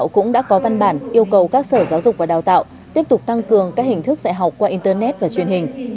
cũng đã có văn bản yêu cầu các sở giáo dục và đào tạo tiếp tục tăng cường các hình thức dạy học qua internet và truyền hình